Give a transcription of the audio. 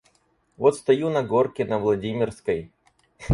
Вот стою на горке на Владимирской.